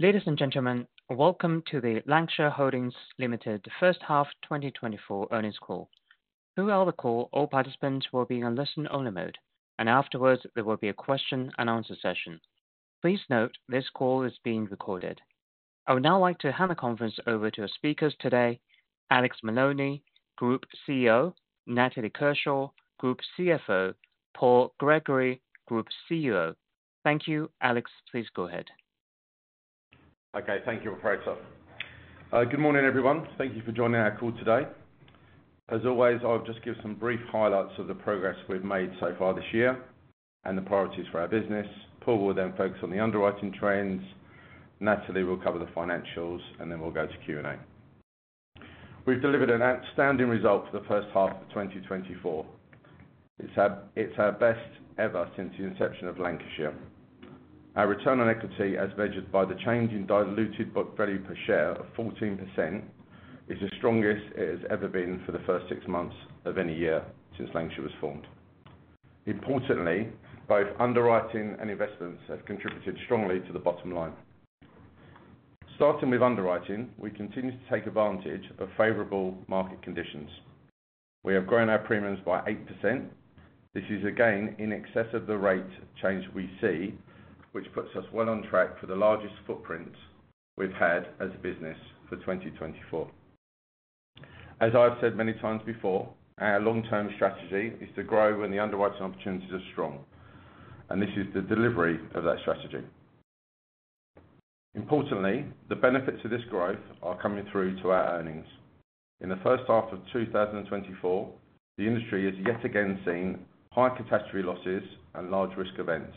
Ladies and gentlemen, welcome to the Lancashire Holdings Limited first half 2024 earnings call. Throughout the call, all participants will be on listen only mode, and afterwards, there will be a question and answer session. Please note, this call is being recorded. I would now like to hand the conference over to our speakers today, Alex Maloney, Group CEO, Natalie Kershaw, Group CFO, Paul Gregory, Group CUO. Thank you, Alex, please go ahead. Okay. Thank you, operator. Good morning, everyone. Thank you for joining our call today. As always, I'll just give some brief highlights of the progress we've made so far this year and the priorities for our business. Paul will then focus on the underwriting trends, Natalie will cover the financials, and then we'll go to Q&A. We've delivered an outstanding result for the first half of 2024. It's our, it's our best ever since the inception of Lancashire. Our return on equity, as measured by the change in diluted book value per share of 14%, is the strongest it has ever been for the first six months of any year since Lancashire was formed. Importantly, both underwriting and investments have contributed strongly to the bottom line. Starting with underwriting, we continue to take advantage of favorable market conditions. We have grown our premiums by 8%. This is again in excess of the rate change we see, which puts us well on track for the largest footprint we've had as a business for 2024. As I've said many times before, our long-term strategy is to grow when the underwriting opportunities are strong, and this is the delivery of that strategy. Importantly, the benefits of this growth are coming through to our earnings. In the first half of 2024, the industry has yet again seen high catastrophe losses and large risk events.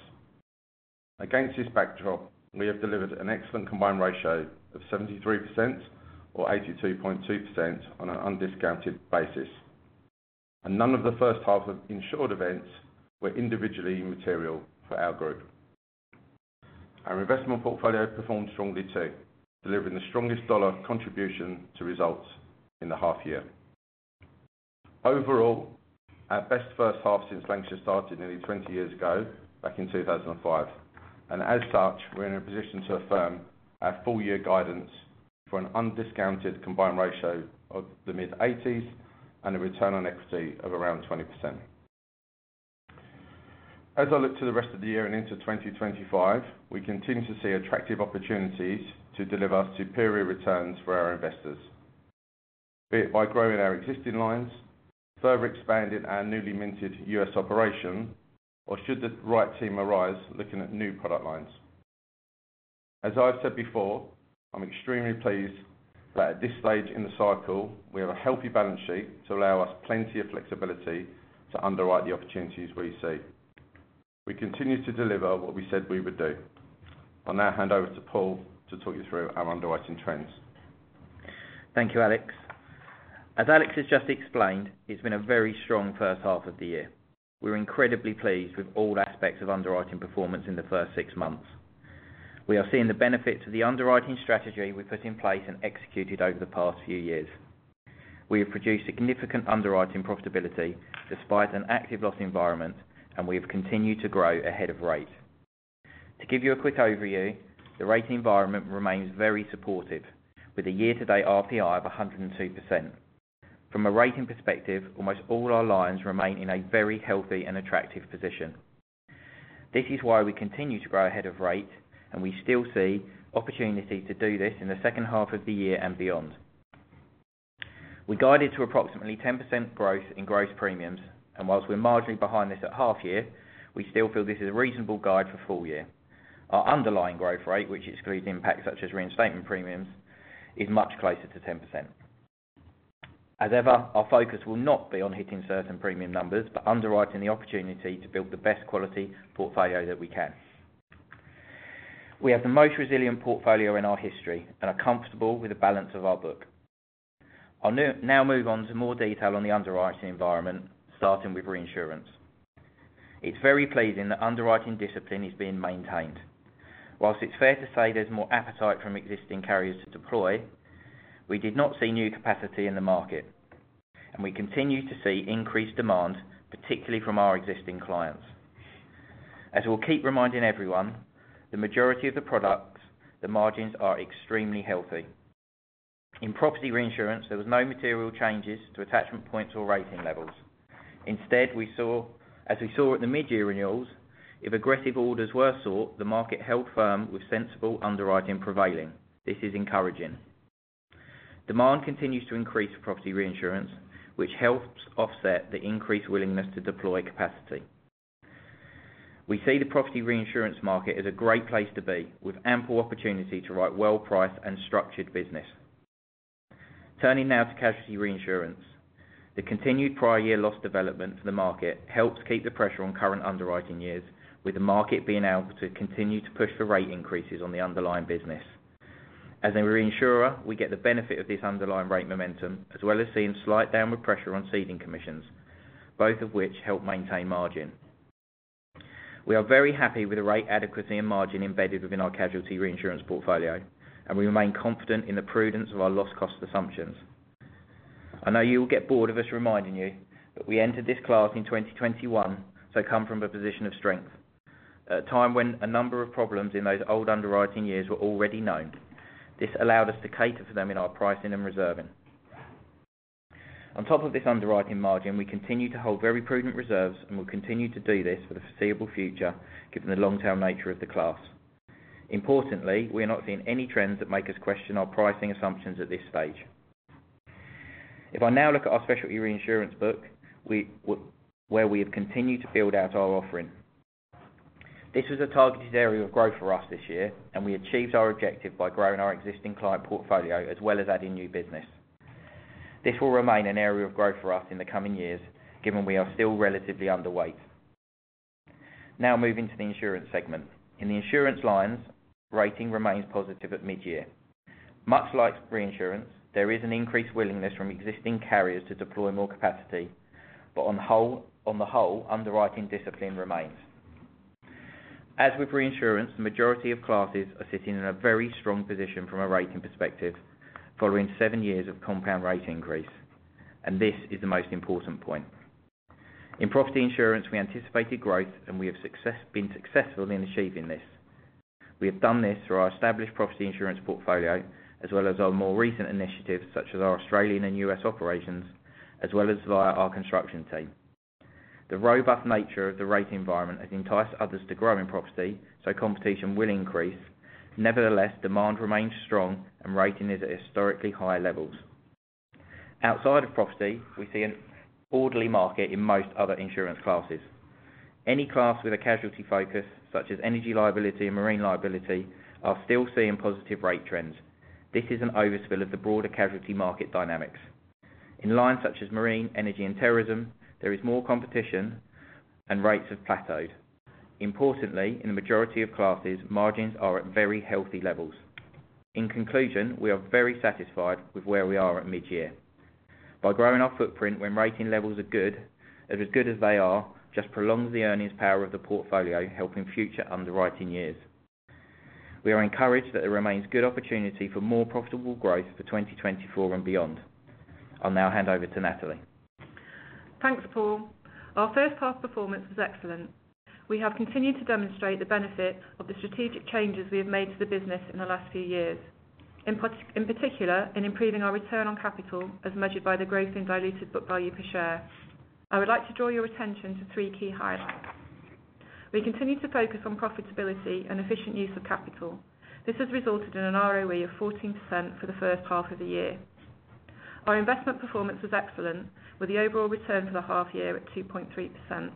Against this backdrop, we have delivered an excellent combined ratio of 73% or 82.2% on an undiscounted basis, and none of the first half of insured events were individually material for our group. Our investment portfolio performed strongly, too, delivering the strongest dollar contribution to results in the half year. Overall, our best first half since Lancashire started nearly 20 years ago, back in 2005. As such, we're in a position to affirm our full year guidance for an undiscounted combined ratio of the mid-80s and a return on equity of around 20%. As I look to the rest of the year and into 2025, we continue to see attractive opportunities to deliver superior returns for our investors. Be it by growing our existing lines, further expanding our newly minted U.S. operation, or should the right team arise, looking at new product lines. As I've said before, I'm extremely pleased that at this stage in the cycle, we have a healthy balance sheet to allow us plenty of flexibility to underwrite the opportunities we see. We continue to deliver what we said we would do. I'll now hand over to Paul to talk you through our underwriting trends. Thank you, Alex. As Alex has just explained, it's been a very strong first half of the year. We're incredibly pleased with all aspects of underwriting performance in the first six months. We are seeing the benefits of the underwriting strategy we put in place and executed over the past few years. We have produced significant underwriting profitability despite an active loss environment, and we have continued to grow ahead of rate. To give you a quick overview, the rate environment remains very supportive, with a year-to-date RPI of 102%. From a rating perspective, almost all our lines remain in a very healthy and attractive position. This is why we continue to grow ahead of rate, and we still see opportunity to do this in the second half of the year and beyond. We guided to approximately 10% growth in gross premiums, and while we're marginally behind this at half year, we still feel this is a reasonable guide for full year. Our underlying growth rate, which excludes impacts such as reinstatement premiums, is much closer to 10%. As ever, our focus will not be on hitting certain premium numbers, but underwriting the opportunity to build the best quality portfolio that we can. We have the most resilient portfolio in our history and are comfortable with the balance of our book. I'll now move on to more detail on the underwriting environment, starting with reinsurance. It's very pleasing that underwriting discipline is being maintained. While it's fair to say there's more appetite from existing carriers to deploy, we did not see new capacity in the market, and we continue to see increased demand, particularly from our existing clients. As we'll keep reminding everyone, the majority of the products, the margins are extremely healthy. In property reinsurance, there was no material changes to attachment points or rating levels. Instead, as we saw at the mid-year renewals, if aggressive orders were sought, the market held firm with sensible underwriting prevailing. This is encouraging. Demand continues to increase for property reinsurance, which helps offset the increased willingness to deploy capacity. We see the property reinsurance market as a great place to be, with ample opportunity to write well-priced and structured business. Turning now to casualty reinsurance. The continued prior year loss development for the market helps keep the pressure on current underwriting years, with the market being able to continue to push for rate increases on the underlying business. As a reinsurer, we get the benefit of this underlying rate momentum, as well as seeing slight downward pressure on ceding commissions, both of which help maintain margin. We are very happy with the rate adequacy and margin embedded within our casualty reinsurance portfolio, and we remain confident in the prudence of our loss cost assumptions. I know you will get bored of us reminding you, but we entered this class in 2021, so come from a position of strength. At a time when a number of problems in those old underwriting years were already known, this allowed us to cater for them in our pricing and reserving. On top of this underwriting margin, we continue to hold very prudent reserves, and will continue to do this for the foreseeable future, given the long-term nature of the class. Importantly, we are not seeing any trends that make us question our pricing assumptions at this stage. If I now look at our specialty reinsurance book, where we have continued to build out our offering. This was a targeted area of growth for us this year, and we achieved our objective by growing our existing client portfolio, as well as adding new business. This will remain an area of growth for us in the coming years, given we are still relatively underweight. Now moving to the insurance segment. In the insurance lines, rating remains positive at mid-year. Much like reinsurance, there is an increased willingness from existing carriers to deploy more capacity, but on the whole, underwriting discipline remains. As with reinsurance, the majority of classes are sitting in a very strong position from a rating perspective, following seven years of compound rate increase, and this is the most important point. In property insurance, we anticipated growth, and we have been successful in achieving this. We have done this through our established property insurance portfolio, as well as our more recent initiatives, such as our Australian and U.S. operations, as well as via our construction team. The robust nature of the rate environment has enticed others to grow in property, so competition will increase. Nevertheless, demand remains strong, and rating is at historically high levels. Outside of property, we see an orderly market in most other insurance classes. Any class with a casualty focus, such as energy liability and marine liability, are still seeing positive rate trends. This is an overspill of the broader casualty market dynamics. In lines such as marine, energy, and terrorism, there is more competition and rates have plateaued. Importantly, in the majority of classes, margins are at very healthy levels. In conclusion, we are very satisfied with where we are at mid-year. By growing our footprint when rating levels are good, as good as they are, just prolongs the earnings power of the portfolio, helping future underwriting years. We are encouraged that there remains good opportunity for more profitable growth for 2024 and beyond. I'll now hand over to Natalie. Thanks, Paul. Our first half performance was excellent. We have continued to demonstrate the benefit of the strategic changes we have made to the business in the last few years. In particular, in improving our return on capital, as measured by the growth in diluted book value per share. I would like to draw your attention to three key highlights. We continue to focus on profitability and efficient use of capital. This has resulted in an ROE of 14% for the first half of the year. Our investment performance was excellent, with the overall return for the half year at 2.3%.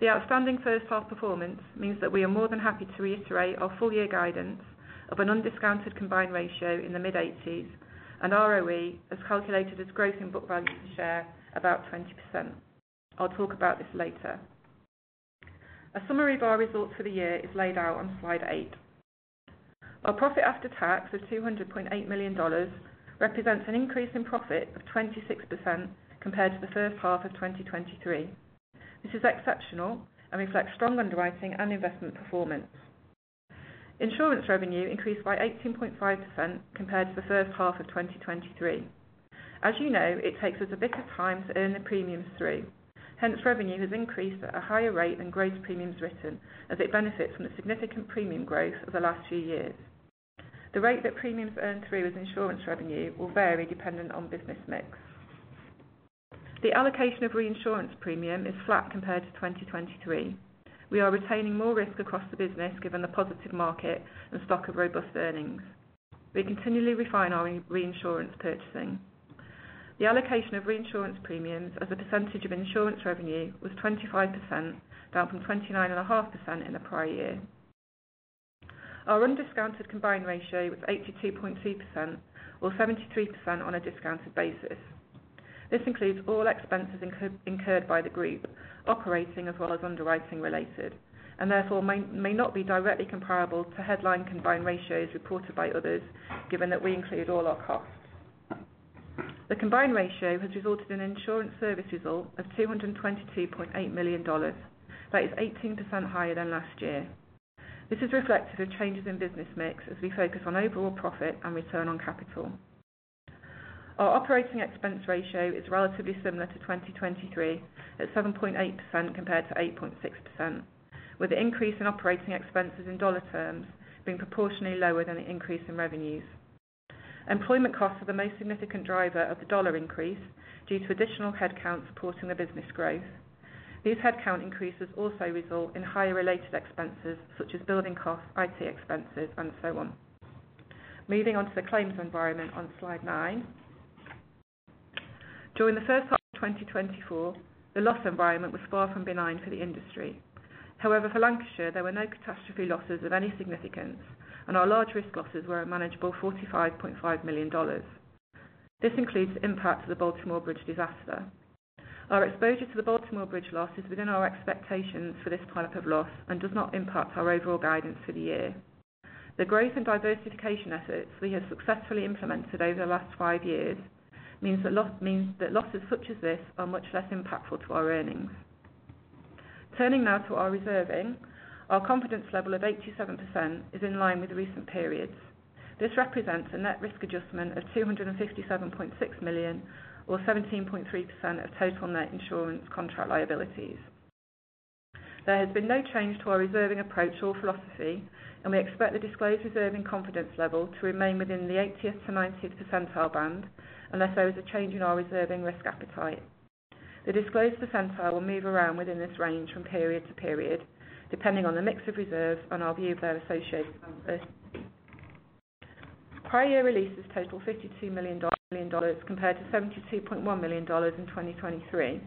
The outstanding first half performance means that we are more than happy to reiterate our full year guidance of an undiscounted combined ratio in the mid-80s, and ROE, as calculated as growth in book value per share, about 20%. I'll talk about this later. A summary of our results for the year is laid out on slide 8. Our profit after tax of $200.8 million represents an increase in profit of 26% compared to the first half of 2023. This is exceptional and reflects strong underwriting and investment performance. Insurance revenue increased by 18.5% compared to the first half of 2023. As you know, it takes us a bit of time to earn the premiums through. Hence, revenue has increased at a higher rate than gross premiums written, as it benefits from the significant premium growth of the last few years. The rate that premiums earned through as insurance revenue will vary depending on business mix. The allocation of reinsurance premium is flat compared to 2023. We are retaining more risk across the business, given the positive market and stock of robust earnings. We continually refine our reinsurance purchasing. The allocation of reinsurance premiums as a percentage of insurance revenue was 25%, down from 29.5% in the prior year. Our undiscounted combined ratio was 82.2%, or 73% on a discounted basis. This includes all expenses incurred by the group, operating as well as underwriting related, and therefore may not be directly comparable to headline combined ratios reported by others, given that we include all our costs. The combined ratio has resulted in an insurance service result of $222.8 million. That is 18% higher than last year. This is reflective of changes in business mix as we focus on overall profit and return on capital. Our operating expense ratio is relatively similar to 2023, at 7.8% compared to 8.6%, with the increase in operating expenses in dollar terms being proportionally lower than the increase in revenues. Employment costs are the most significant driver of the dollar increase due to additional headcount supporting the business growth. These headcount increases also result in higher related expenses, such as building costs, IT expenses, and so on. Moving on to the claims environment on Slide nine. During the first half of 2024, the loss environment was far from benign for the industry. However, for Lancashire, there were no catastrophe losses of any significance, and our large risk losses were a manageable $45.5 million. This includes the impact of the Baltimore Bridge disaster. Our exposure to the Baltimore Bridge loss is within our expectations for this type of loss, and does not impact our overall guidance for the year. The growth and diversification efforts we have successfully implemented over the last 5 years means that losses such as this are much less impactful to our earnings. Turning now to our reserving. Our confidence level of 87% is in line with the recent periods. This represents a net risk adjustment of $257.6 million, or 17.3% of total net insurance contract liabilities. There has been no change to our reserving approach or philosophy, and we expect the disclosed reserving confidence level to remain within the 80th-90th percentile band, unless there is a change in our reserving risk appetite. The disclosed percentile will move around within this range from period to period, depending on the mix of reserves and our view of their associated numbers. Prior year releases total $52 million, compared to $72.1 million in 2023.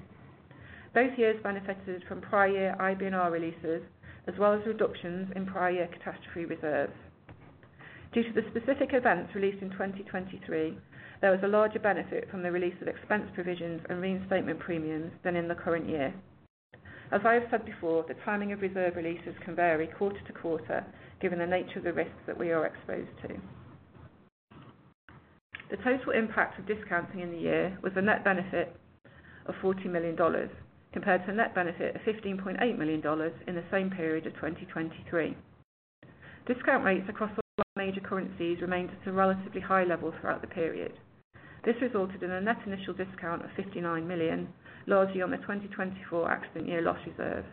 Both years benefited from prior year IBNR releases, as well as reductions in prior year catastrophe reserves. Due to the specific events released in 2023, there was a larger benefit from the release of expense provisions and reinstatement premiums than in the current year. As I have said before, the timing of reserve releases can vary quarter to quarter, given the nature of the risks that we are exposed to. The total impact of discounting in the year was a net benefit of $40 million, compared to a net benefit of $15.8 million in the same period of 2023. Discount rates across all major currencies remained at a relatively high level throughout the period. This resulted in a net initial discount of $59 million, largely on the 2024 accident year loss reserve,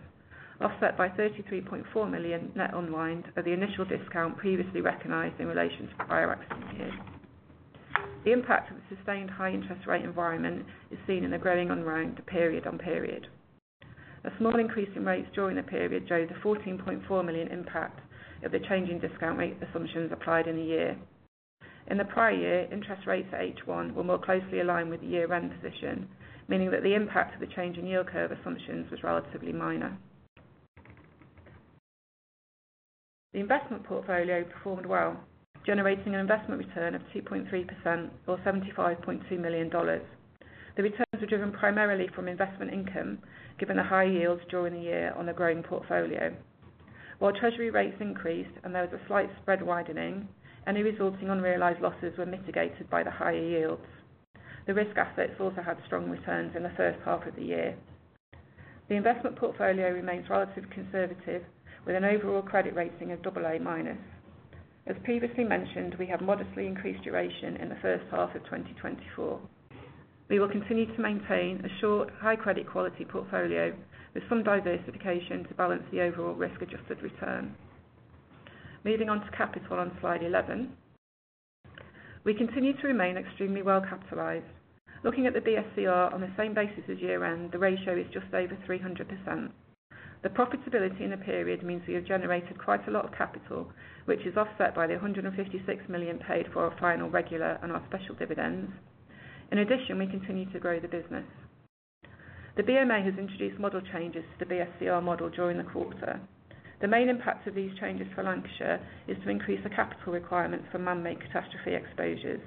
offset by $33.4 million net unwind of the initial discount previously recognized in relation to the prior accident year. The impact of the sustained high interest rate environment is seen in the growing unwind period-on-period. A small increase in rates during the period drove the $14.4 million impact of the changing discount rate assumptions applied in the year. In the prior year, interest rates at H1 were more closely aligned with the year-end position, meaning that the impact of the change in yield curve assumptions was relatively minor. The investment portfolio performed well, generating an investment return of 2.3% or $75.2 million. The returns were driven primarily from investment income, given the high yields during the year on a growing portfolio. While treasury rates increased and there was a slight spread widening, any resulting unrealized losses were mitigated by the higher yields. The risk assets also had strong returns in the first half of the year. The investment portfolio remains relatively conservative, with an overall credit rating of double A minus. As previously mentioned, we have modestly increased duration in the first half of 2024. We will continue to maintain a short, high credit quality portfolio with some diversification to balance the overall risk-adjusted return. Moving on to capital on slide 11. We continue to remain extremely well capitalized. Looking at the BSCR on the same basis as year-end, the ratio is just over 300%The profitability in the period means we have generated quite a lot of capital, which is offset by the $156 million paid for our final regular and our special dividends. In addition, we continue to grow the business. The BMA has introduced model changes to the BSCR model during the quarter. The main impact of these changes for Lancashire is to increase the capital requirements for man-made catastrophe exposures.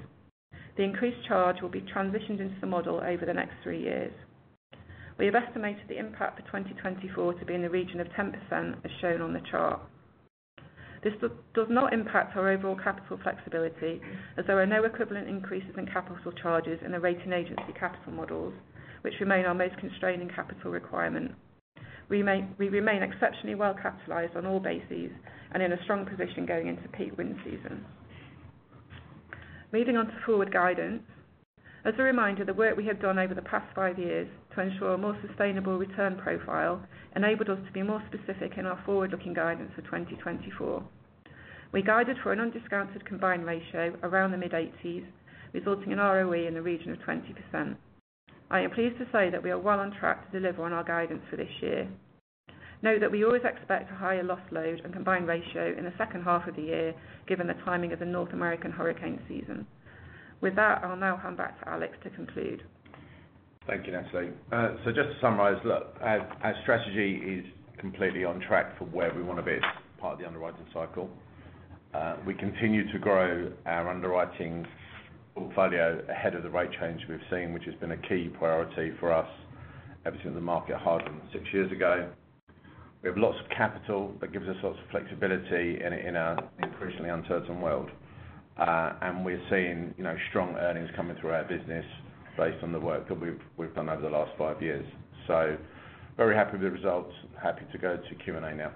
The increased charge will be transitioned into the model over the next three years. We have estimated the impact for 2024 to be in the region of 10%, as shown on the chart. This does not impact our overall capital flexibility, as there are no equivalent increases in capital charges in the rating agency capital models, which remain our most constraining capital requirement. We remain exceptionally well capitalized on all bases and in a strong position going into peak wind season. Moving on to forward guidance. As a reminder, the work we have done over the past five years to ensure a more sustainable return profile enabled us to be more specific in our forward-looking guidance for 2024. We guided for an undiscounted combined ratio around the mid-80s, resulting in ROE in the region of 20%. I am pleased to say that we are well on track to deliver on our guidance for this year. Note that we always expect a higher loss load and combined ratio in the second half of the year, given the timing of the North American hurricane season. With that, I'll now hand back to Alex to conclude. Thank you, Natalie. So just to summarize, look, our strategy is completely on track for where we want to be as part of the underwriting cycle. We continue to grow our underwriting portfolio ahead of the rate change we've seen, which has been a key priority for us ever since the market hardened six years ago. We have lots of capital that gives us lots of flexibility in an increasingly uncertain world. And we're seeing, you know, strong earnings coming through our business based on the work that we've done over the last five years. So very happy with the results. Happy to go to Q&A now.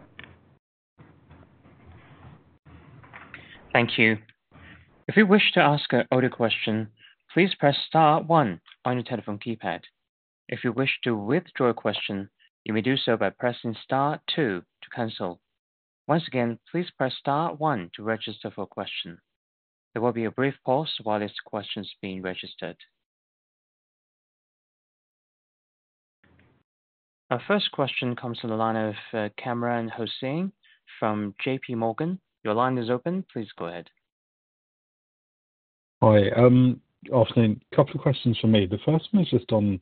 Thank you. If you wish to ask an audio question, please press star one on your telephone keypad. If you wish to withdraw a question, you may do so by pressing star two to cancel. Once again, please press star one to register for a question. There will be a brief pause while this question's being registered. Our first question comes from the line of Kamran Hossain from JP Morgan. Your line is open. Please go ahead. Hi, afternoon. A couple of questions from me. The first one is just on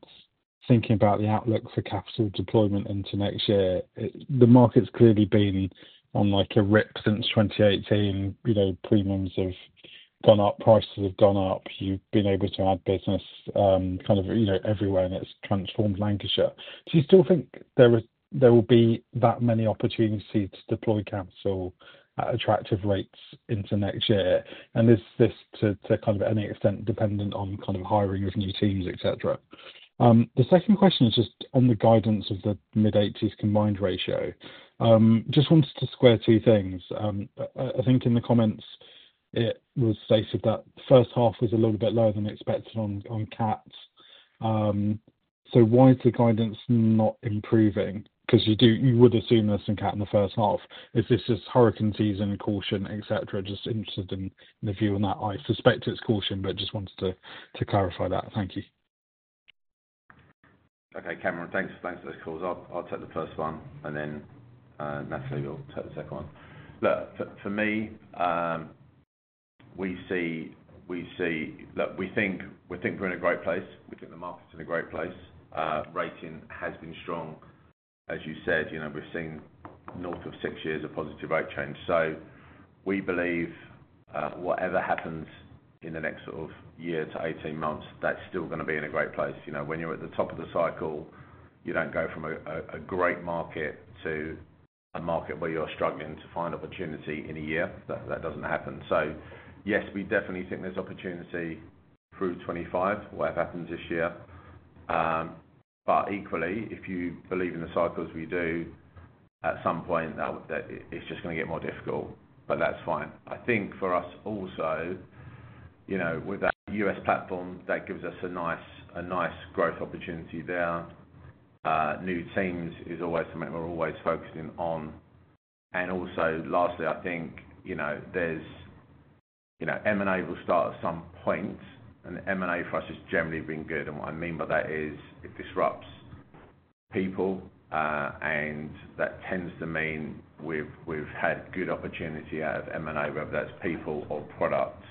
thinking about the outlook for capital deployment into next year. The market's clearly been on, like, a rip since 2018. You know, premiums have gone up, prices have gone up. You've been able to add business, kind of, you know, everywhere, and it's transformed Lancashire. Do you still think there is-- there will be that many opportunities to deploy capital at attractive rates into next year? And is this to kind of any extent dependent on kind of hiring of new teams, et cetera? The second question is just on the guidance of the mid-80s% combined ratio. Just wanted to square two things. I think in the comments, it was stated that first half was a little bit lower than expected on cats. So why is the guidance not improving? Because you would assume there's some cat in the first half. Is this just hurricane season caution, et cetera? Just interested in the view on that. I suspect it's caution, but just wanted to clarify that. Thank you. Okay, Kamran, thanks. Thanks for those calls. I'll take the first one, and then Natalie will take the second one. Look, for me, we see. Look, we think we're in a great place. We think the market's in a great place. Rating has been strong. As you said, you know, we're seeing north of six years of positive rate change. So we believe whatever happens in the next sort of year to 18 months, that's still gonna be in a great place. You know, when you're at the top of the cycle, you don't go from a great market to a market where you're struggling to find opportunity in a year. That doesn't happen. So yes, we definitely think there's opportunity through 2025, whatever happens this year. But equally, if you believe in the cycles we do, at some point, that, that it's just gonna get more difficult, but that's fine. I think for us also, you know, with that US platform, that gives us a nice, a nice growth opportunity there. New teams is always something we're always focusing on. And also, lastly, I think, you know, there's, you know, M&A will start at some point, and M&A for us has generally been good. And what I mean by that is, it disrupts people, and that tends to mean we've had good opportunity out of M&A, whether that's people or product.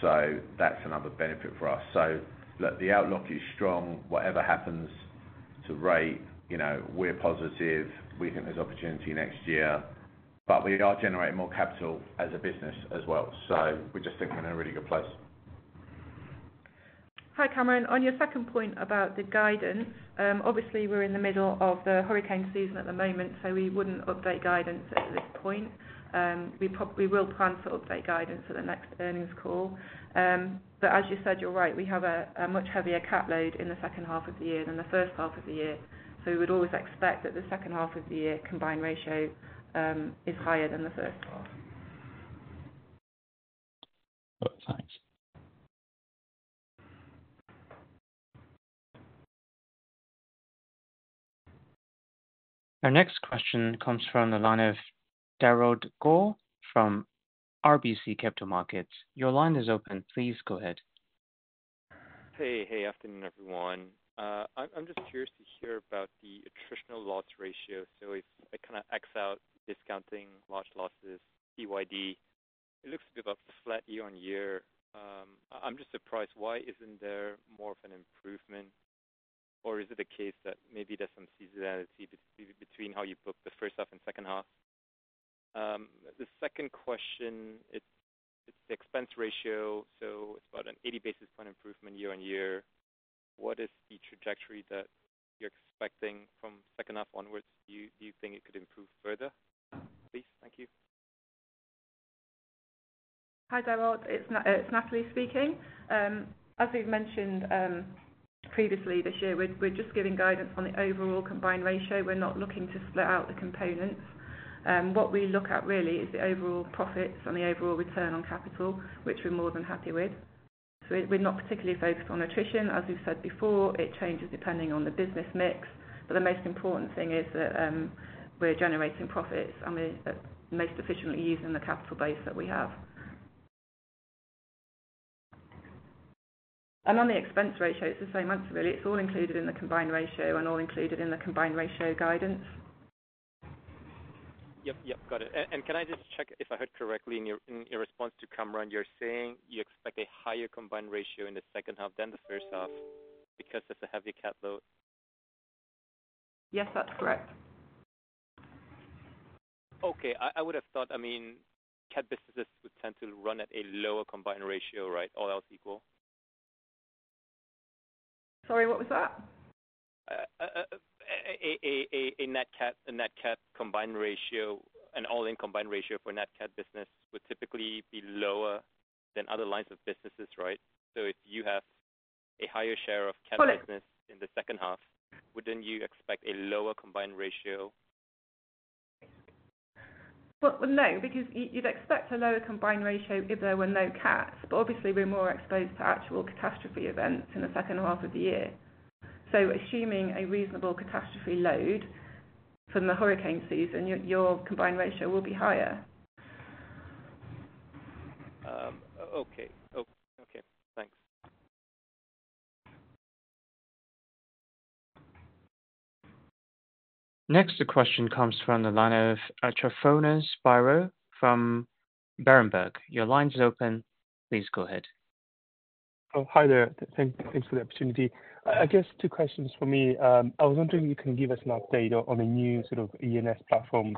So that's another benefit for us. So look, the outlook is strong. Whatever happens to rate, you know, we're positive. We think there's opportunity next year, but we are generating more capital as a business as well. We just think we're in a really good place. Hi, Kamran. On your second point about the guidance, obviously, we're in the middle of the hurricane season at the moment, so we wouldn't update guidance at this point. We will plan to update guidance for the next earnings call. But as you said, you're right, we have a much heavier cat load in the second half of the year than the first half of the year. So we would always expect that the second half of the year combined ratio is higher than the first half. Oh, thanks. Our next question comes from the line of Darragh Goh from RBC Capital Markets. Your line is open. Please go ahead. Hey, hey, afternoon, everyone. I'm just curious to hear about the attritional loss ratio. So it kind of excludes discounting large losses, PYD. It looks to be about flat year-on-year. I'm just surprised, why isn't there more of an improvement, or is it a case that maybe there's some seasonality between how you book the first half and second half? The second question, it's the expense ratio, so it's about an 80 basis point improvement year-on-year. What is the trajectory that you're expecting from second half onwards? Do you think it could improve further, please? Thank you. Hi, Darragh. It's Natalie speaking. As we've mentioned previously this year, we're just giving guidance on the overall combined ratio. We're not looking to split out the components. What we look at really is the overall profits and the overall return on capital, which we're more than happy with. So we're not particularly focused on attrition. As we've said before, it changes depending on the business mix, but the most important thing is that we're generating profits, and we're most efficiently using the capital base that we have. And on the expense ratio, it's the same answer, really. It's all included in the combined ratio and all included in the combined ratio guidance. Yep, yep, got it. And can I just check if I heard correctly in your response to Kamran, you're saying you expect a higher combined ratio in the second half than the first half because of the heavy cat load? Yes, that's correct. Okay, I would have thought, I mean, cat businesses would tend to run at a lower combined ratio, right? All else equal. Sorry, what was that? A net cat combined ratio, an all-in combined ratio for net cat business would typically be lower than other lines of businesses, right? So if you have a higher share of cat business- Got it. In the second half, wouldn't you expect a lower combined ratio? Well, no, because you'd expect a lower combined ratio if there were no cats. But obviously, we're more exposed to actual catastrophe events in the second half of the year. So assuming a reasonable catastrophe load from the hurricane season, your combined ratio will be higher. Okay, okay, thanks. Next, the question comes from the line of Tryfonas Spyrou from Berenberg. Your line is open. Please go ahead. Oh, hi there. Thanks for the opportunity. I guess two questions for me. I was wondering if you can give us an update on the new sort of E&S platform,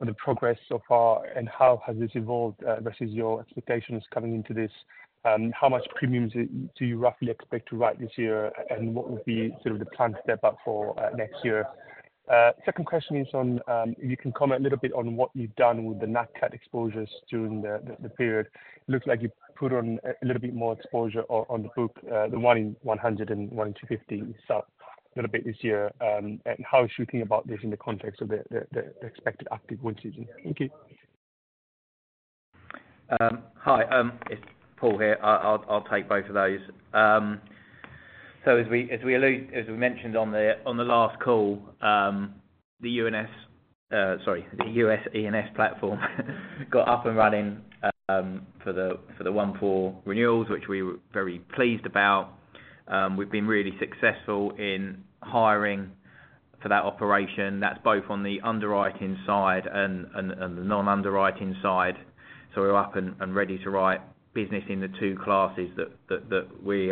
on the progress so far, and how has this evolved versus your expectations coming into this? How much premiums do you roughly expect to write this year, and what would be sort of the planned step up for next year? Second question is on, if you can comment a little bit on what you've done with the nat cat exposures during the period. Looks like you've put on a little bit more exposure on the book, the 1-in-100 and 1-to-50. So a little bit this year, and how are you thinking about this in the context of the expected active wind season? Thank you. Hi, it's Paul here. I'll take both of those. So as we alluded, as we mentioned on the last call, the US E&S platform got up and running for the 1/4 renewals, which we were very pleased about. We've been really successful in hiring for that operation. That's both on the underwriting side and the non-underwriting side. So we're up and ready to write business in the two classes that we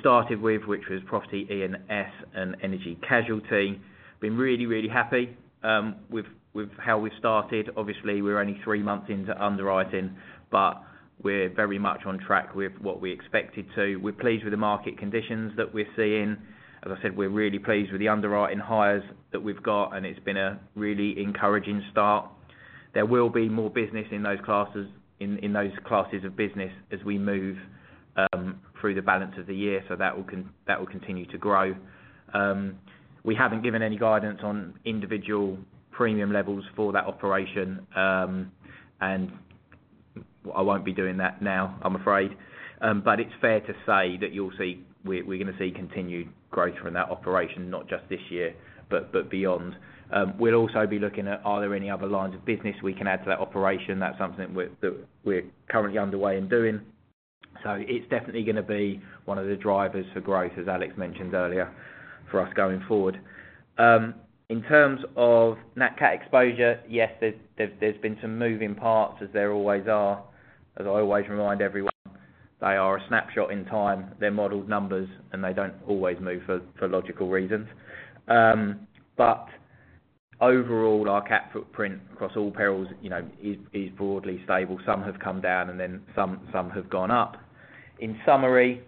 started with, which was property E&S and energy casualty. Been really happy with how we've started. Obviously, we're only three months into underwriting, but we're very much on track with what we expected to. We're pleased with the market conditions that we're seeing. As I said, we're really pleased with the underwriting hires that we've got, and it's been a really encouraging start. There will be more business in those classes of business as we move through the balance of the year, so that will continue to grow. We haven't given any guidance on individual premium levels for that operation, and I won't be doing that now, I'm afraid. But it's fair to say that you'll see... We're gonna see continued growth from that operation, not just this year, but beyond. We'll also be looking at are there any other lines of business we can add to that operation? That's something we're currently underway in doing. So it's definitely gonna be one of the drivers for growth, as Alex mentioned earlier, for us going forward. In terms of nat cat exposure, yes, there's been some moving parts, as there always are. As I always remind everyone, they are a snapshot in time, they're modeled numbers, and they don't always move for logical reasons. But overall, our cat footprint across all perils, you know, is broadly stable. Some have come down and then some have gone up. In summary,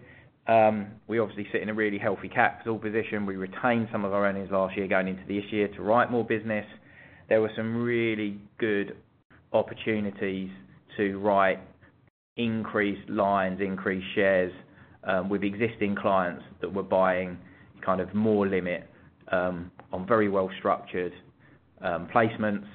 we obviously sit in a really healthy capital position. We retained some of our earnings last year, going into this year, to write more business. There were some really good opportunities to write increased lines, increased shares, with existing clients that were buying kind of more limit, on very well-structured placements.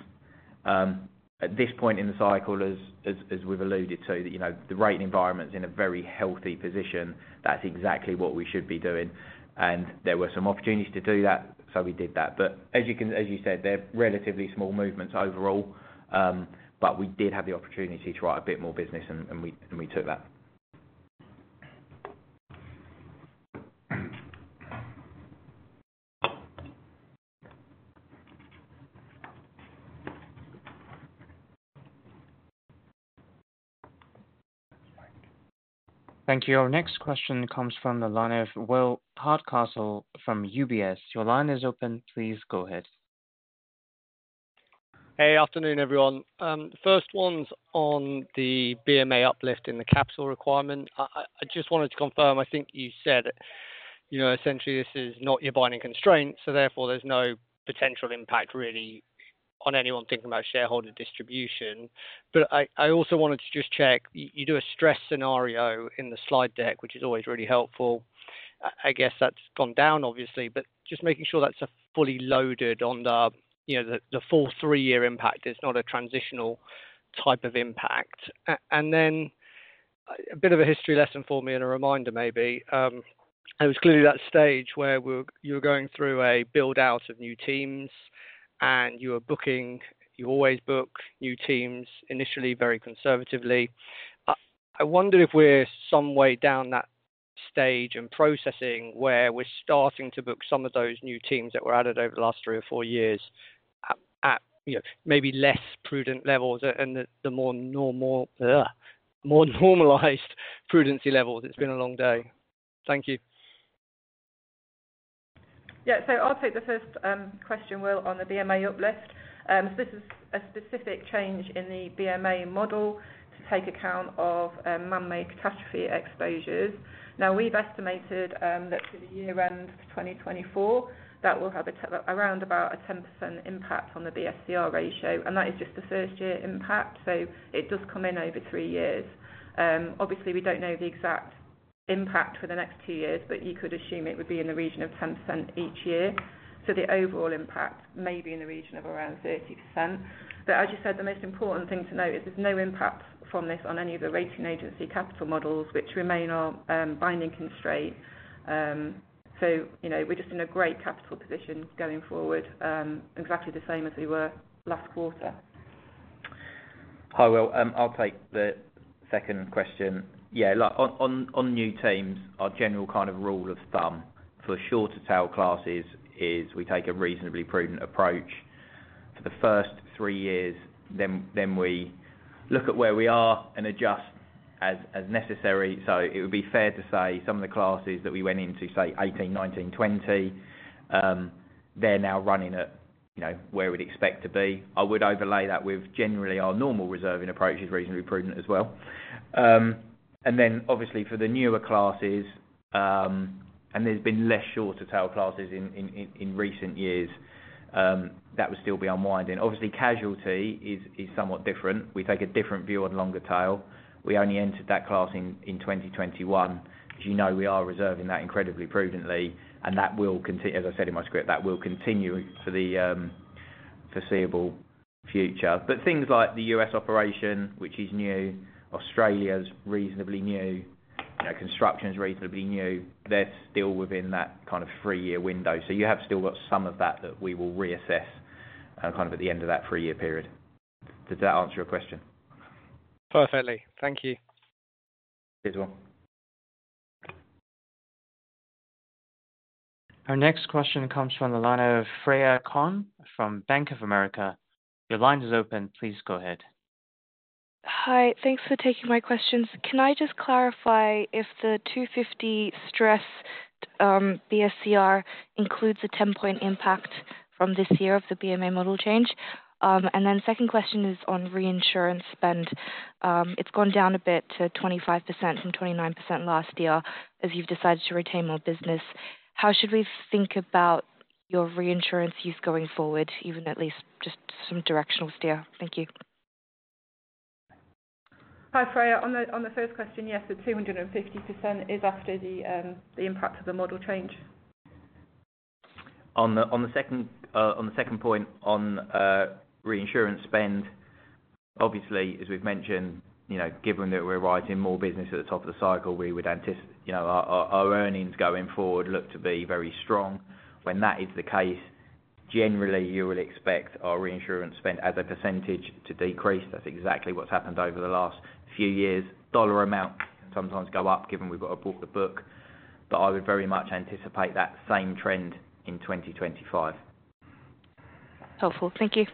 At this point in the cycle, as we've alluded to, you know, the rating environment's in a very healthy position. That's exactly what we should be doing, and there were some opportunities to do that, so we did that. But as you can... As you said, they're relatively small movements overall, but we did have the opportunity to write a bit more business, and we took that. Thank you. Our next question comes from the line of Will Hardcastle from UBS. Your line is open. Please go ahead. Hey, afternoon, everyone. First one's on the BMA uplift in the capital requirement. I just wanted to confirm, I think you said, you know, essentially this is not your binding constraint, so therefore there's no potential impact really on anyone thinking about shareholder distribution. But I also wanted to just check, you do a stress scenario in the slide deck, which is always really helpful. I guess that's gone down obviously, but just making sure that's fully loaded on the, you know, the full three-year impact. It's not a transitional type of impact. And then a bit of a history lesson for me and a reminder maybe, it was clearly that stage where you were going through a build-out of new teams, and you were booking... You always book new teams, initially very conservatively. I wonder if we're some way down that stage in processing, where we're starting to book some of those new teams that were added over the last three or four years at you know, maybe less prudent levels and the more normal, more normalized prudency levels. It's been a long day. Thank you. Yeah. So I'll take the first question, Will, on the BMA uplift. This is a specific change in the BMA model to take account of man-made catastrophe exposures. Now, we've estimated that through the year end of 2024, that will have around about a 10% impact on the BSCR ratio, and that is just the first year impact, so it does come in over 3 years. Obviously, we don't know the exact impact for the next two years, but you could assume it would be in the region of 10% each year. So the overall impact may be in the region of around 30%. But as you said, the most important thing to note is there's no impact from this on any of the rating agency capital models, which remain our binding constraints. So you know, we're just in a great capital position going forward, exactly the same as we were last quarter. Hi, Will. I'll take the second question. Yeah, like, on new teams, our general kind of rule of thumb for shorter tail classes is we take a reasonably prudent approach for the first three years, then we look at where we are and adjust as necessary. So it would be fair to say some of the classes that we went into, say, 2018, 2019, 2020, they're now running at-... you know, where we'd expect to be. I would overlay that with generally our normal reserving approach is reasonably prudent as well. And then obviously for the newer classes, and there's been less shorter tail classes in recent years, that would still be unwinding. Obviously, casualty is somewhat different. We take a different view on longer tail. We only entered that class in 2021. As you know, we are reserving that incredibly prudently, and that will continue, as I said in my script, that will continue for the foreseeable future. But things like the US operation, which is new, Australia's reasonably new, you know, construction's reasonably new, they're still within that kind of three-year window. So you have still got some of that that we will reassess kind of at the end of that three-year period. Does that answer your question? Perfectly. Thank you. Cheers, well. Our next question comes from the line of Freya Kong from Bank of America. Your line is open. Please go ahead. Hi, thanks for taking my questions. Can I just clarify if the 250 stress, BSCR includes a 10-point impact from this year of the BMA model change? And then second question is on reinsurance spend. It's gone down a bit to 25% from 29% last year, as you've decided to retain more business. How should we think about your reinsurance use going forward, even at least just some directional steer? Thank you. Hi, Freya. On the first question, yes, the 250% is after the impact of the model change. On the second point on reinsurance spend, obviously, as we've mentioned, you know, given that we're writing more business at the top of the cycle, we would anticipate, you know, our earnings going forward look to be very strong. When that is the case, generally, you would expect our reinsurance spend as a percentage to decrease. That's exactly what's happened over the last few years. Dollar amount can sometimes go up, given we've got to book the book, but I would very much anticipate that same trend in 2025. Helpful. Thank you.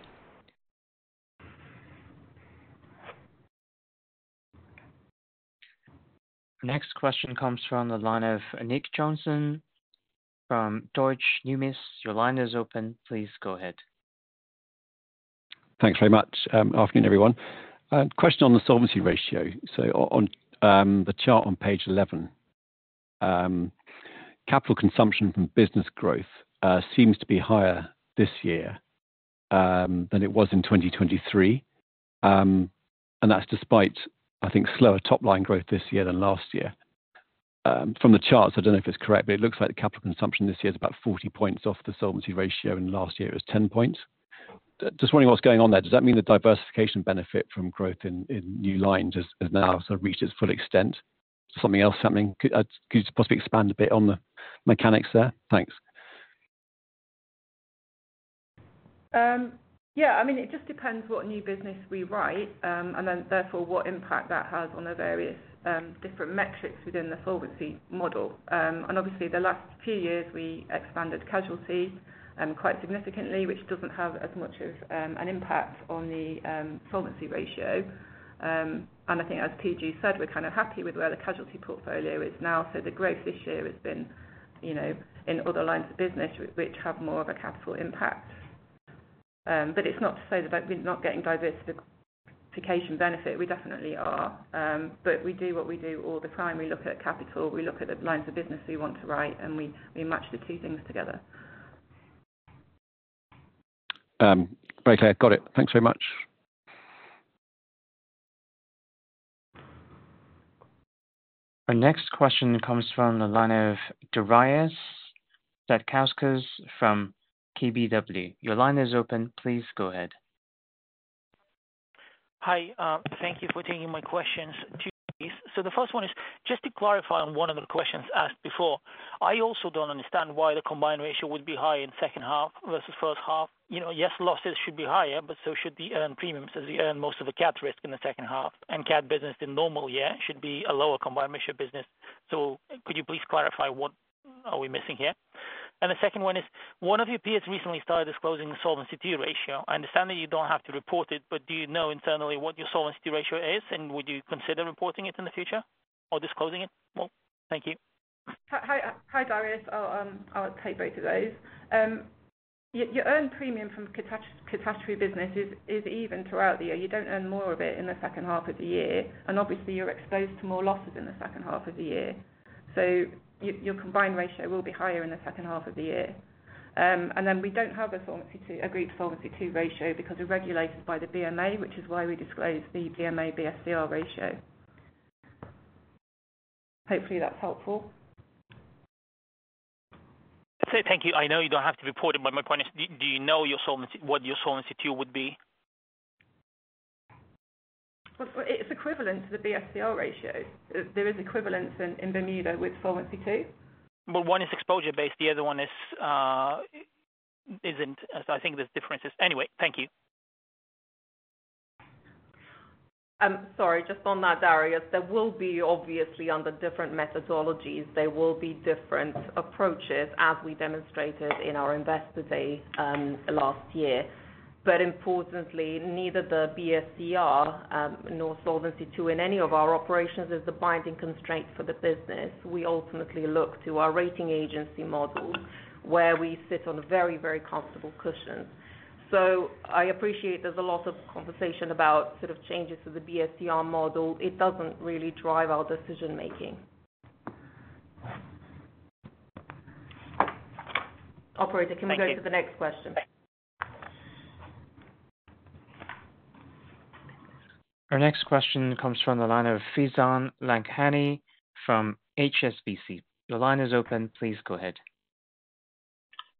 Next question comes from the line of Nick Johnson from Deutsche Bank. Your line is open. Please go ahead. Thanks very much. Afternoon, everyone. Question on the solvency ratio. So on the chart on page 11, capital consumption from business growth seems to be higher this year than it was in 2023. And that's despite, I think, slower top-line growth this year than last year. From the charts, I don't know if it's correct, but it looks like the capital consumption this year is about 40 points off the solvency ratio, and last year was 10 points. Just wondering what's going on there. Does that mean the diversification benefit from growth in new lines has now sort of reached its full extent? Something else happening? Could you possibly expand a bit on the mechanics there? Thanks. Yeah, I mean, it just depends what new business we write, and then therefore, what impact that has on the various different metrics within the solvency model. And obviously, the last few years we expanded casualty quite significantly, which doesn't have as much of an impact on the solvency ratio. And I think as PG said, we're kind of happy with where the casualty portfolio is now. So the growth this year has been, you know, in other lines of business which have more of a capital impact. But it's not to say that we're not getting diversification benefit. We definitely are. But we do what we do all the time. We look at capital, we look at the lines of business we want to write, and we match the two things together. Great. I got it. Thanks so much. Our next question comes from the line of Darius Satkauskas from KBW. Your line is open. Please go ahead. Hi, thank you for taking my questions, too. So the first one is just to clarify on one of the questions asked before. I also don't understand why the combined ratio would be high in second half versus first half. You know, yes, losses should be higher, but so should the earned premiums, as you earn most of the cat risk in the second half. And cat business in normal year should be a lower combined ratio business. So could you please clarify what are we missing here? And the second one is, one of your peers recently started disclosing the Solvency II ratio. I understand that you don't have to report it, but do you know internally what your solvency ratio is, and would you consider reporting it in the future or disclosing it more? Thank you. Hi, hi, Darius. I'll, I'll take both of those. Your earned premium from catastrophe business is even throughout the year. You don't earn more of it in the second half of the year, and obviously you're exposed to more losses in the second half of the year. So your combined ratio will be higher in the second half of the year. And then we don't have a Solvency II, agreed Solvency II ratio because we're regulated by the BMA, which is why we disclose the BMA BSCR ratio. Hopefully, that's helpful. So thank you. I know you don't have to report it, but my point is, do you know your solvency, what your Solvency II would be? Well, it's equivalent to the BSCR ratio. There is equivalence in Bermuda with Solvency II. But one is exposure based, the other one is, isn't. So I think there's differences. Anyway, thank you. Sorry, just on that, Darius, there will be obviously under different methodologies, there will be different approaches as we demonstrated in our investor day, last year.... But importantly, neither the BSCR nor Solvency II in any of our operations is the binding constraint for the business. We ultimately look to our rating agency model, where we sit on a very, very comfortable cushion. So I appreciate there's a lot of conversation about sort of changes to the BSCR model. It doesn't really drive our decision making. Operator, can we go to the next question? Our next question comes from the line of Faizan Lakhani from HSBC. Your line is open. Please go ahead.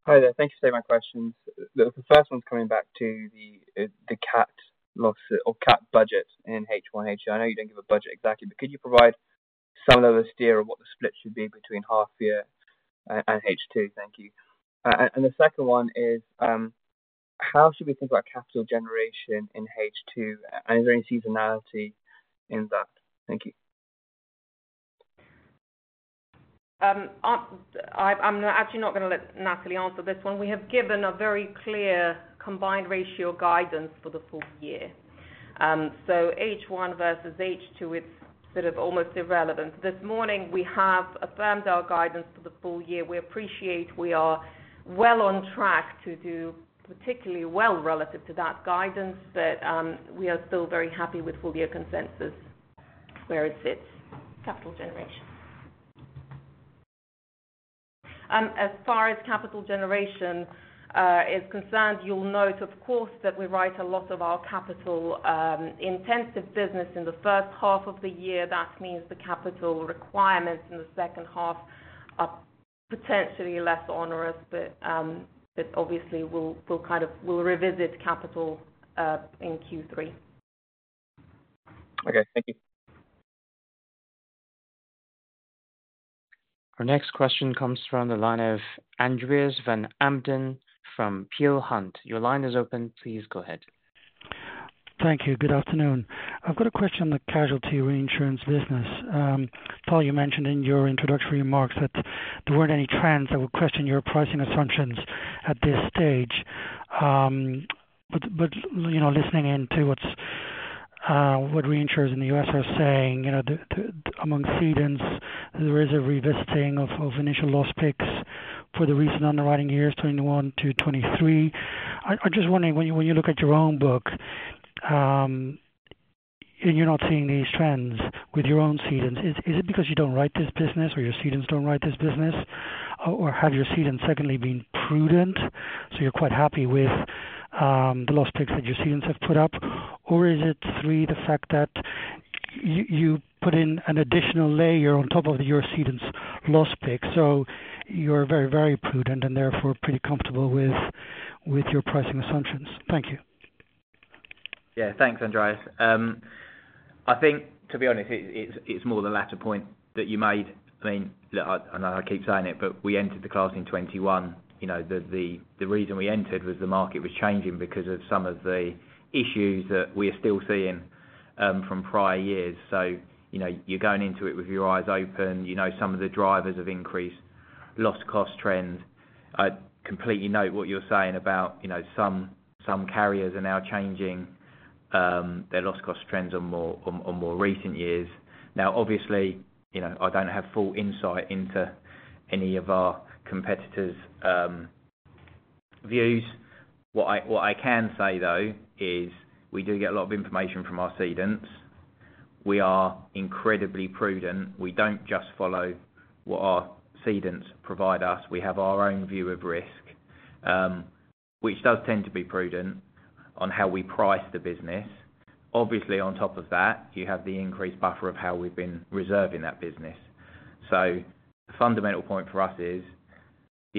Hi there. Thank you for taking my questions. The first one's coming back to the CAT loss or CAT budget in H1. I know you don't give a budget exactly, but could you provide some level of steer of what the split should be between half year and H2? Thank you. The second one is how should we think about capital generation in H2, and is there any seasonality in that? Thank you. I'm actually not gonna let Natalie answer this one. We have given a very clear combined ratio guidance for the full year. So H1 versus H2, it's sort of almost irrelevant. This morning, we have affirmed our guidance for the full year. We appreciate we are well on track to do particularly well relative to that guidance. But, we are still very happy with full year consensus where it sits. Capital generation. As far as capital generation is concerned, you'll note, of course, that we write a lot of our capital intensive business in the first half of the year. That means the capital requirements in the second half are potentially less onerous, but obviously, we'll revisit capital in Q3. Okay, thank you. Our next question comes from the line of Andreas van Embden from Peel Hunt. Your line is open. Please go ahead. Thank you. Good afternoon. I've got a question on the casualty reinsurance business. Paul, you mentioned in your introductory remarks that there weren't any trends that would question your pricing assumptions at this stage. But you know, listening in to what reinsurers in the U.S. are saying, you know, among cedants, there is a revisiting of initial loss picks for the recent underwriting years, 2021 to 2023. I'm just wondering, when you look at your own book, and you're not seeing these trends with your own cedants, is it because you don't write this business, or your cedants don't write this business? Or have your cedants, secondly, been prudent, so you're quite happy with the loss picks that your cedants have put up? Or is it three, the fact that you put in an additional layer on top of your cedants' loss pick, so you're very, very prudent and therefore pretty comfortable with your pricing assumptions? Thank you. Yeah. Thanks, Andreas. I think, to be honest, it's more the latter point that you made. I mean, look, I know I keep saying it, but we entered the class in 2021. You know, the reason we entered was the market was changing because of some of the issues that we are still seeing from prior years. So, you know, you're going into it with your eyes open. You know, some of the drivers of increased loss cost trends. I completely note what you're saying about, you know, some carriers are now changing their loss cost trends on more recent years. Now, obviously, you know, I don't have full insight into any of our competitors' views. What I can say, though, is we do get a lot of information from our cedants. We are incredibly prudent. We don't just follow what our cedants provide us. We have our own view of risk, which does tend to be prudent on how we price the business. Obviously, on top of that, you have the increased buffer of how we've been reserving that business. So the fundamental point for us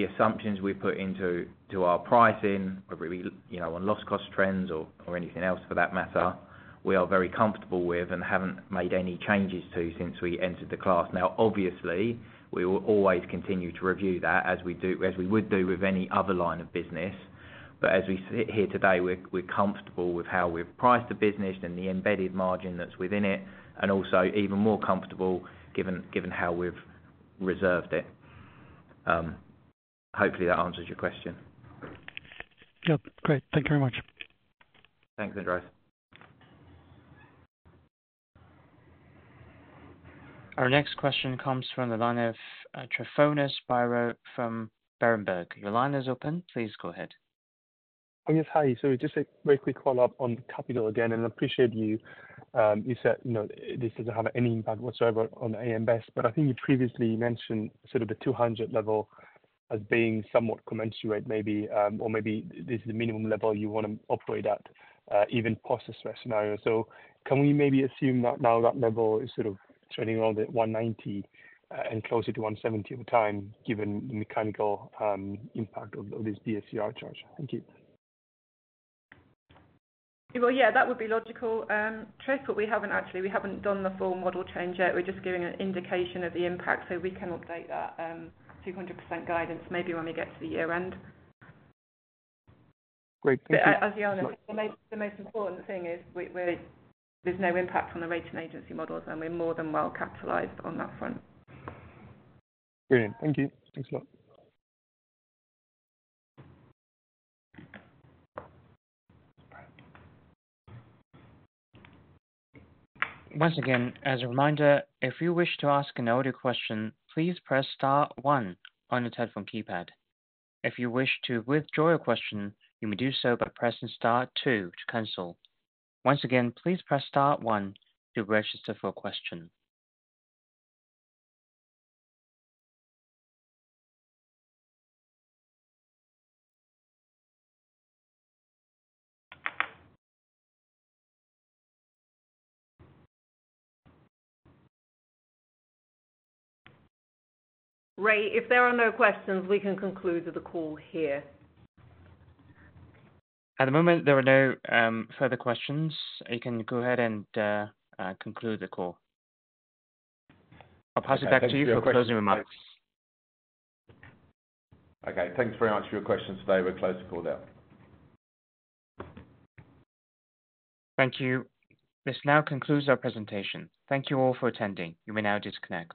is, the assumptions we put into our pricing, whether we you know, on loss cost trends or anything else for that matter, we are very comfortable with and haven't made any changes to since we entered the class. Now, obviously, we will always continue to review that as we do, as we would do with any other line of business. But as we sit here today, we're comfortable with how we've priced the business and the embedded margin that's within it, and also even more comfortable given how we've reserved it. Hopefully, that answers your question. Yep. Great. Thank you very much. Thanks, Andreas. Our next question comes from the line of, Tryfonas Biro from Berenberg. Your line is open. Please go ahead. Oh, yes, hi. So just a very quick follow-up on capital again, and I appreciate you. You said, you know, this doesn't have any impact whatsoever on AM Best, but I think you previously mentioned sort of the 200 level as being somewhat commensurate, maybe, or maybe this is the minimum level you wanna operate at, even post the stress scenario. So can we maybe assume that now that level is sort of trading around at 190, and closer to 170 over time, given the mechanical impact of this DSCR charge? Thank you. Well, yeah, that would be logical, Tryfonas, but we haven't actually, we haven't done the full model change yet. We're just giving an indication of the impact, so we can update that, 200% guidance maybe when we get to the year end. Great. Thank you. But as [audio distdistortion] said, the most important thing is we're, there's no impact on the rating agency models, and we're more than well capitalized on that front. Brilliant. Thank you. Thanks a lot. Once again, as a reminder, if you wish to ask an audio question, please press star one on your telephone keypad. If you wish to withdraw your question, you may do so by pressing star two to cancel. Once again, please press star one to register for a question. Ray, if there are no questions, we can conclude the call here. At the moment, there are no further questions. I can go ahead and conclude the call. I'll pass it back to you for closing remarks. Okay, thanks very much for your questions today. We're closed to call now. Thank you. This now concludes our presentation. Thank you all for attending. You may now disconnect.